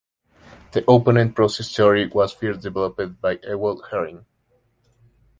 The opponent-process theory was first developed by Ewald Hering.